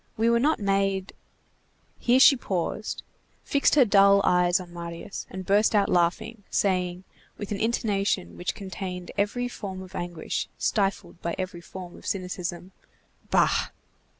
We were not made—" Here she paused, fixed her dull eyes on Marius, and burst out laughing, saying, with an intonation which contained every form of anguish, stifled by every form of cynicism:— "Bah!"